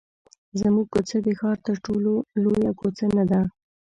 زموږ کوڅه د ښار تر ټولو لویه کوڅه نه ده.